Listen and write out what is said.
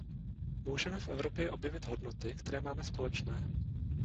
Můžeme v Evropě objevit hodnoty, které máme společné.